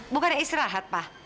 bukannya istirahat pa